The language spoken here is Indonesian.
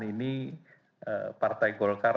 ini partai golkar